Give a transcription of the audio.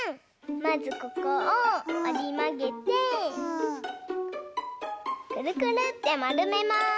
まずここをおりまげてくるくるってまるめます！